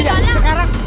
ya udah sekarang